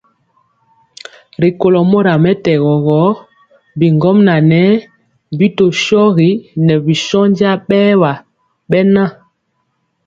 Rikólo mora mɛtɛgɔ gɔ bigɔmŋa ŋɛɛ bi tɔ shogi ŋɛɛ bi shónja bɛɛwa bɛnja.